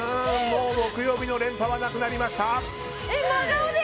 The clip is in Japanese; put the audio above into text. もう木曜日の連覇はなくなりました。